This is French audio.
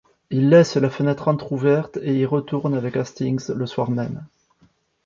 Il laisse la fenêtre entrouverte et y retourne avec Hastings le soir même.